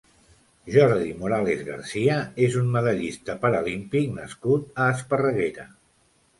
Jordi Morales Garcia és un medallista paralímpic nascut a Esparreguera.